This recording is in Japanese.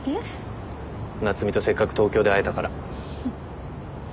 夏海とせっかく東京で会えたから。